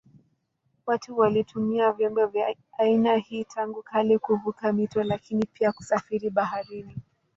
Watu walitumia vyombo vya aina hii tangu kale kuvuka mito lakini pia kusafiri baharini.